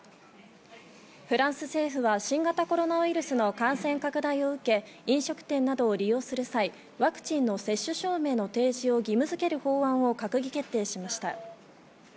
フランス政府は新型コロナウイルスの感染拡大を受け、飲食店などを利用する際、ワクチンの接種証明の提示を義務づける法案を閣議決定しました。